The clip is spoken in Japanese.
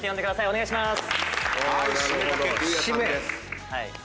お願いします。